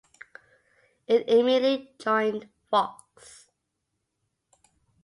It immediately joined Fox.